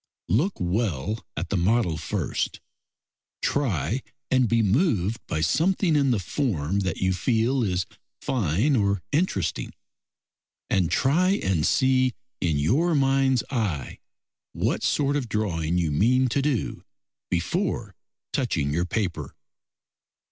Look well at the model first; try and be moved by something in the form that you feel is fine or interesting, and try and see in your mind's eye what sort of drawing you mean to do before touching your paper.